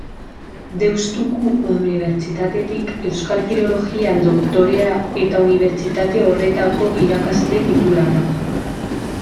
Deustuko Unibertsitatetik Euskal Filologian doktorea, eta unibertsitate horretako irakasle titularra.